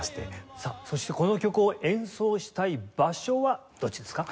そしてこの曲を演奏したい場所はどちらですか？